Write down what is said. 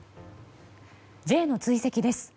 Ｊの追跡です。